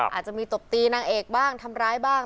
อาจจะมีตบตีนางเอกบ้างทำร้ายบ้าง